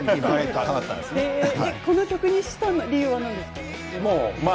この曲にした理由は何ですか？